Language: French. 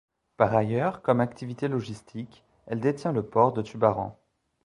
Par ailleurs, comme activité logistique, elle détient le Port de Tubarão.